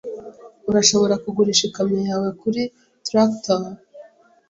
Urashobora kugurisha ikamyo yawe kuri traktor.